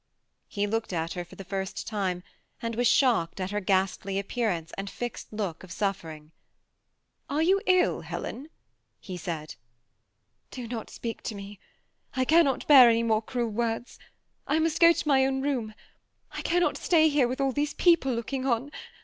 He looked at her for the first time, and was shocked at her ghastl7 appearance and fixed look of suffering. " Are 70U ill, Helen ?" he said. ^ Do not speak to me, I cannot bear an7 more cmel words. I must go to m7 own room, I cannot sta7 here with all these people looking on.